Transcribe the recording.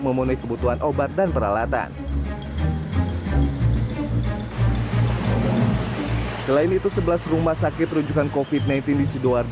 memenuhi kebutuhan obat dan peralatan selain itu sebelas rumah sakit rujukan covid sembilan belas di sidoarjo